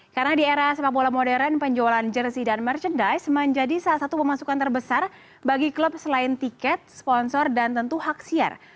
karena di era sepak bola modern penjualan jersi dan merchandise menjadi salah satu pemasukan terbesar bagi klub selain tiket sponsor dan tentu hak siar